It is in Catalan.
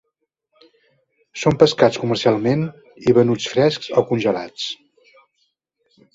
Són pescats comercialment i venuts frescs o congelats.